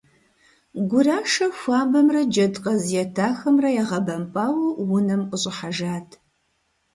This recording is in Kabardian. Гурашэ хуабэмрэ джэдкъаз етахэмрэ ягъэбэмпӀауэ унэм къыщӀыхьэжат.